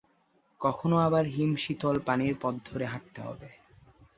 কখনো আবার হিম শীতল পানির পথ ধরে হাঁটতে হবে।